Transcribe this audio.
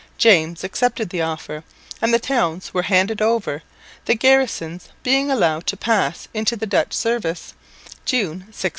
James accepted the offer, and the towns were handed over, the garrisons being allowed to pass into the Dutch service, June 1616.